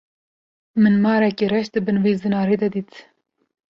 Min marekî reş di bin vî zinarî de dît.